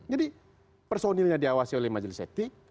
jadi personilnya diawasi oleh majelis etik